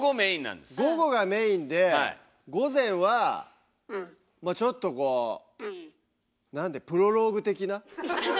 午後がメインで午前はまあちょっとこうプロローグ！